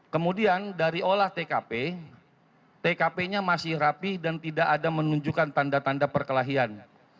kemudian dari olah tkp tkp nya masih rapih dan tidak ada menunjukkan tanda tanda perkelahian